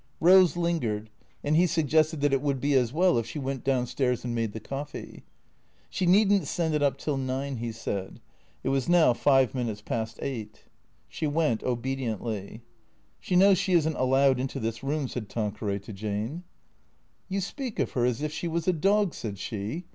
Eose lingered, and he suggested that it would be as well if she went down stairs and made the coffee. She need n't send it up till nine, he said. It was now five minutes past eight. She went obediently. " She knows she is n't allowed into this room," said Tan queray to Jane. " You speak of her as if she was a dog," said she.